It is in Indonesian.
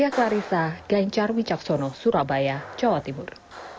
biar clarissa gencar wicaksono surabaya jawa timur